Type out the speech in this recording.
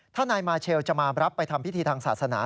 ถ้านายมาเชลจะมารับไปทำพิธีทางศาสนา